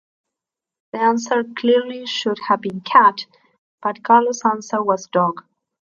The answer clearly should have been "cat", but Carlo's answer was "dog".